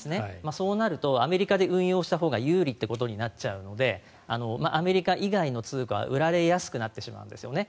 そうなるとアメリカで運用したほうが有利ということになっちゃうのでアメリカ以外の通貨は売られやすくなってしまうんですよね。